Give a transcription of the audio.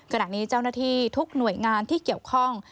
ขณะนี้เจ้าหน้าที่ทุกหน่วยงานที่เกี่ยวข้อง